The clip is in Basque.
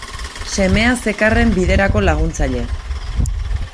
Semea zekarren biderako laguntzaile.